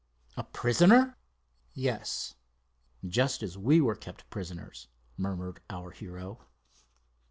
"A prisoner!" "Yes." "Just as we were kept prisoners," muttered our hero.